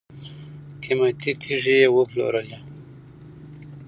قیمتي تیږي یې وپلورلې.